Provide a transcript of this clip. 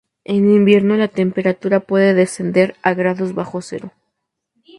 En invierno, la temperatura puede descender a grados bajo cero.